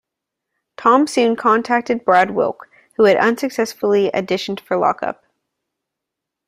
Tom soon contacted Brad Wilk, who had unsuccessfully auditioned for Lock Up.